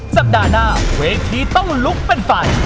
สัปดาห์หน้าเวทีต้องลุกเป็นไฟ